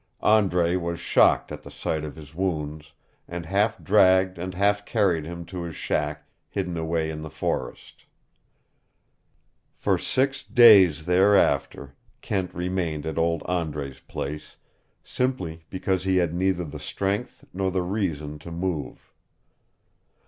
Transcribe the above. Andre was shocked at the sight of his wounds and half dragged and half carried him to his shack hidden away in the forest. For six days thereafter Kent remained at old Andre's place, simply because he had neither the strength nor the reason to move.